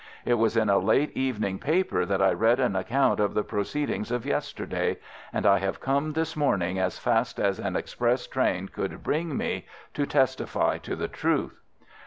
It was in a late evening paper that I read an account of the proceedings of yesterday, and I have come this morning as fast as an express train could bring me to testify to the truth."